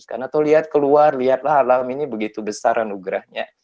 atau lihat keluar lihatlah alam ini begitu besar dan ugerahnya